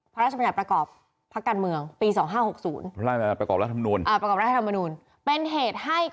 ภาชบันดาลประกอบภักษ์การเมืองปี๒๕๖๐เป็นเหตุให้